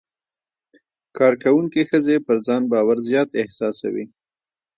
کارکوونکې ښځې پر ځان باور زیات احساسوي.